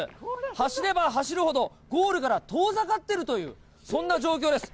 走れば走るほど、ゴールから遠ざかっているという、そんな状況です。